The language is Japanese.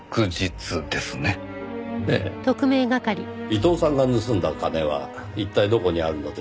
伊藤さんが盗んだ金は一体どこにあるのでしょう？